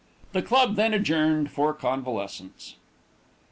The club then adjourned for convalescence.